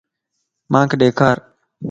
مانک ڏيکار